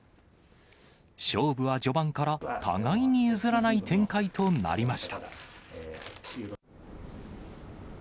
勝負は序盤から互いに譲らない展開となりました。